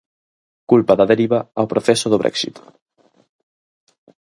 Culpa da deriva ao proceso do Brexit.